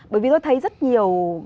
bởi vì tôi thấy rất nhiều